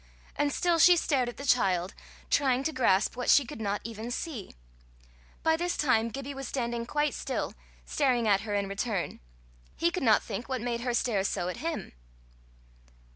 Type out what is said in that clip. And still she stared at the child, trying to grasp what she could not even see. By this time Gibbie was standing quite still, staring at her in return: he could not think what made her stare so at him.